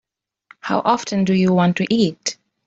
How often do you want to eat?